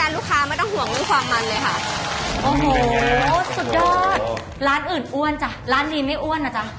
ร้านอื่นอ้วนจ้ะร้านนี้ไม่อ้วนอ่ะจ้ะ